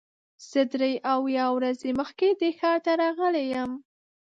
زه درې اویا ورځې مخکې دې ښار ته راغلی یم.